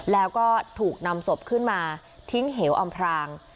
แล้วก็ถูกนำศพขึ้นมาทิ้งเหวอำพราง